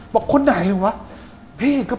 บางคนก็สันนิฐฐานว่าแกโดนคนติดยาน่ะ